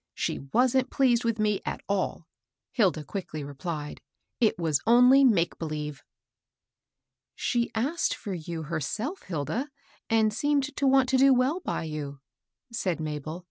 " She wasn't pleased with me at all," Hilda quickly replied ;" it was only make believe." ^^ She asked for you herself, Hilda, and seemed to want to do well by you," said Mabel.